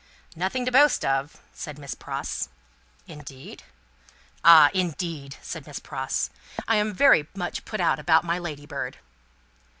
"Nothing to boast of," said Miss Pross. "Indeed?" "Ah! indeed!" said Miss Pross. "I am very much put out about my Ladybird."